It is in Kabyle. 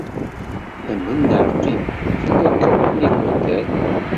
Amen neɣ qqim, tla kraḍ n yigerdan.